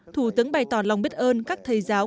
thủ tướng bày tỏ lòng biết ơn các thầy giáo